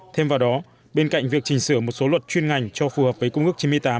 thêm vào đó bên cạnh việc chỉnh sửa một số luật chuyên ngành cho phù hợp với công ước chín mươi tám